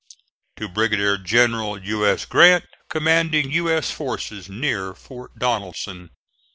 To Brigadier General U. S. Grant, Com'ding U. S. Forces, Near Fort Donelson.